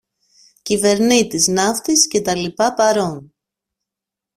Κυβερνήτης, ναύτης και τα λοιπά, παρών!